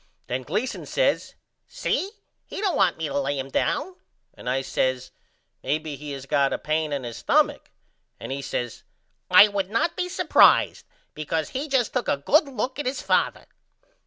Then Gleason says See he don't want me to lay him down and I says Maybe he has got a pane in his stumach and he says I would not be supprised because he just took a good look at his father.